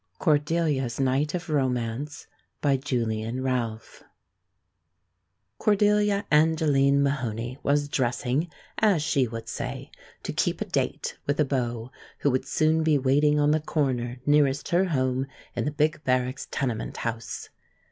Cordelia's Night of Romance BY JULIAN RALPH Cordelia Angeline Mahoney was dressing, as she would say, "to keep a date" with a beau, who would soon be waiting on the corner nearest her home in the Big Barracks tenement house.